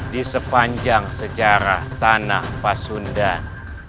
di sepanjang sejarah tanah pasundan